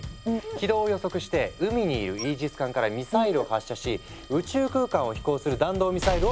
軌道を予測して海にいるイージス艦からミサイルを発射し宇宙空間を飛行する弾道ミサイルを狙う。